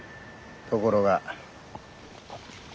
ところが。